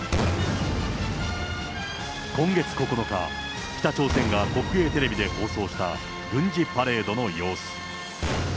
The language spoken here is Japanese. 今月９日、北朝鮮が国営テレビで放送した軍事パレードの様子。